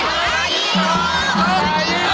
ปลายี่สก